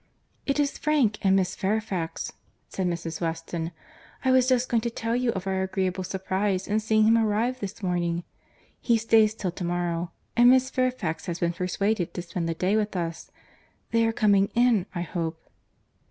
"It is Frank and Miss Fairfax," said Mrs. Weston. "I was just going to tell you of our agreeable surprize in seeing him arrive this morning. He stays till to morrow, and Miss Fairfax has been persuaded to spend the day with us.—They are coming in, I hope."